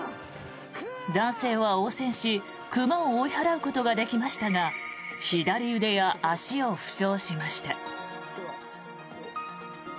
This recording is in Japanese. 男性は応戦し熊を追い払うことができましたが左腕や足を負傷しました。